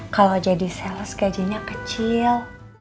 kalau jadi sales gajinya kecil